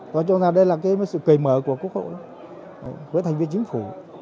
nói chung là đây là sự cởi mở của quốc hội với thành viên chính phủ